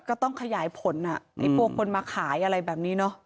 ก็ต้องขยายผลอ่ะไอ้พวกคนมาขายอะไรแบบนี้เนอะ